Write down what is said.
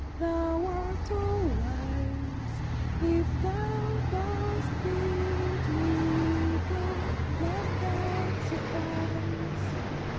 Thou art all wise ; If thou dost bid me go, Let that suffice.